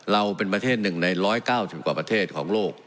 เราเป็นประเทศหนึ่งในร้อยเก้าสิบกว่าประเทศของโลก